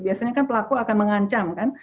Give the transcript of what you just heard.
biasanya kan pelaku akan mengancam kan